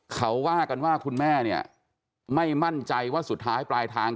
เขาว่ากันว่าคุณแม่เนี่ยไม่มั่นใจว่าสุดท้ายปลายทาง